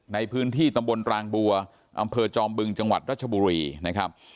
ในพื้นที่ตำบลรางบัวอำเภอจอมบึงจังหวัดรัชบุรีนะครับ